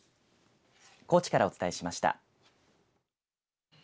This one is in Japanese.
高知からお伝えしました。